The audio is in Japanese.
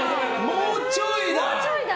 もうちょいだ！